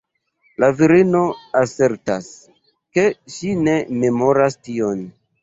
La virino asertas ke ŝi ne memoras tion.